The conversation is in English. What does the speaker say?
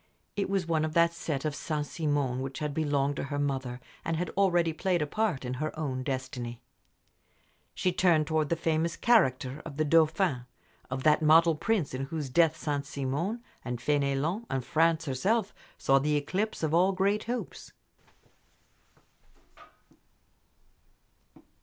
It was one of that set of Saint Simon which had belonged to her mother, and had already played a part in her own destiny. She turned to the famous "character" of the Dauphin, of that model prince, in whose death Saint Simon, and Fénelon, and France herself, saw the eclipse of all great hopes.